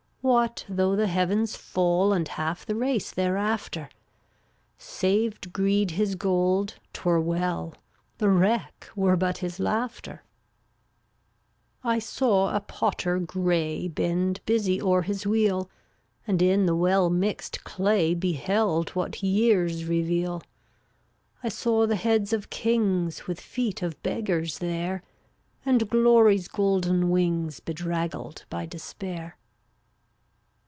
What though the heavens fall And half the race thereafter? Saved Greed his gold, 'twere well; The wreck were but his laughter. 393 I saw a potter gray (DlttM Bend busy o'er his wheel, nfl% And in the well mixed clay \K£' Beheld what years reveal: KXLYttT I saw the heads of kings J With feet of beggars there, And Glory's golden wings Bedraggled by Despair.